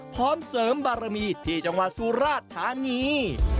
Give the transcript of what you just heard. พร้อมเสริมบารมีที่จังหวัดสุราชธานี